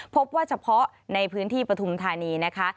พบว่าเฉพาะในพื้นที่ปฐุมธานีนะคะ